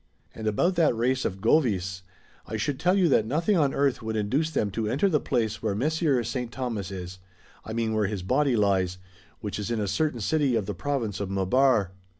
And about that race of Govis, I should tell you that nothing on earth would induce them to enter the place where Messer St. Thomas is — I mean where his body lies, which is in a certain city of the province of Maabar.